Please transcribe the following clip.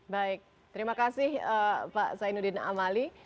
baik terima kasih pak zainuddin amali